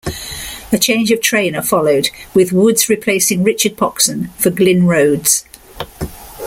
A change of trainer followed, with Woods replacing Richard Poxon for Glyn Rhodes.